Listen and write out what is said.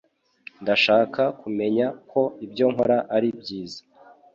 Ndashaka kumenya ko ibyo nkora ari byiza.